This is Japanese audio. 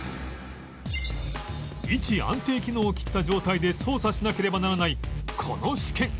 位置安定機能を切った状態で操作しなければならないこの試験